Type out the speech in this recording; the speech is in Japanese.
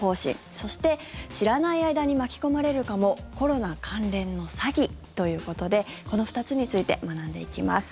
そして知らない間に巻き込まれるかもコロナ関連の詐欺ということでこの２つについて学んでいきます。